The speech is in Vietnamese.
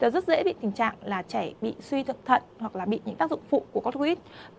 rất dễ bị tình trạng là trẻ bị suy thận hoặc là bị những tác dụng phụ của cotrit